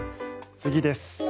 次です。